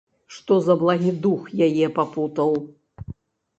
Што за благі дух яе папутаў?